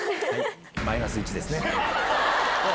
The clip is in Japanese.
マイナス１ですね。